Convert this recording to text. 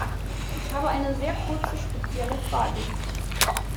Ich habe eine sehr kurze, spezielle Frage.